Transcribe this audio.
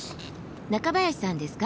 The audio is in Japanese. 中林さんですか？